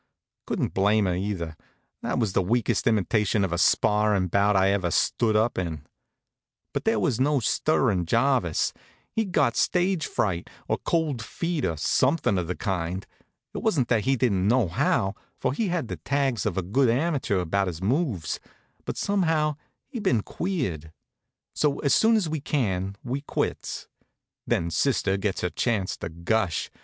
Couldn't blame her, either. That was the weakest imitation of a sparrin' bout I ever stood up in. But there was no stirrin' Jarvis. He'd got stage fright, or cold feet, or something of the kind. It wa'n't that he didn't know how, for he had all the tags of a good amateur about his moves; but somehow he'd been queered. So, as soon as we can, we quits. Then sister gets her chance to gush.